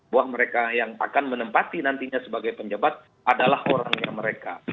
bahwa mereka yang akan menempati nantinya sebagai penjabat adalah orangnya mereka